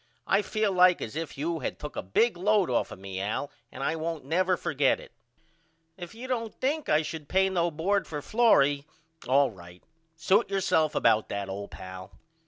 I feel like as if you had took a big load off of me Al and I won't never forget it. If you don't think I should pay no bord for Florrie all right. Suit yourself about that old pal.